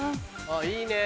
いいねぇ。